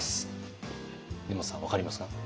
根本さん分かりますか？